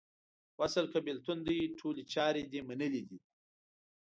وصل که بیلتون دې ټولي چارې دې منلې دي